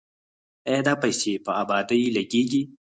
آیا دا پیسې په ابادۍ لګیږي؟